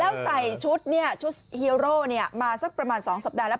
แล้วใส่ชุดชุดฮีโร่มาสักประมาณ๒สัปดาห์แล้ว